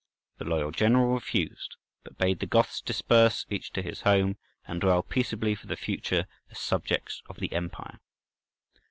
The loyal general refused; but bade the Goths disperse each to his home, and dwell peaceably for the future as subjects of the empire.